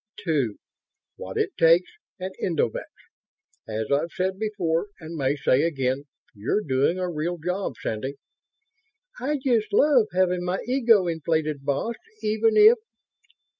"Two. What it takes and endovix. As I've said before and may say again, you're doing a real job, Sandy." "I just love having my ego inflated, boss, even if